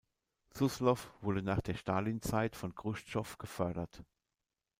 Suslow wurde nach der Stalinzeit von Chruschtschow gefördert.